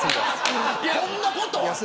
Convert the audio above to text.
こんなことある。